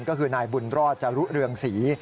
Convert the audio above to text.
ก็คือนายบุญรอดจรุเรืองศรี